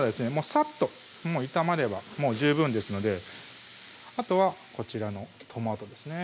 さっと炒まればもう十分ですのであとはこちらのトマトですね